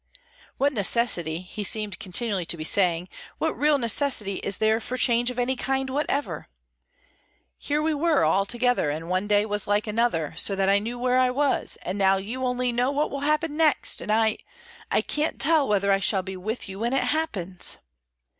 What necessity, he seemed continually to be saying, what real necessity is there for change of any kind whatever? Here we were all together, and one day was like another, so that I knew where I was—and now you only know what will happen next; and I—I can't tell you whether I shall be with you when it happens!